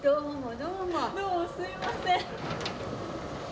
どうもすいません。